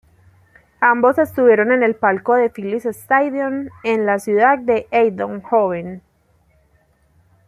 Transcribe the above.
Ambos estuvieron en el palco de Philips Stadion de la ciudad de Eindhoven.